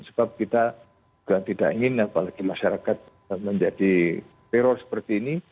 sebab kita juga tidak ingin apalagi masyarakat menjadi teror seperti ini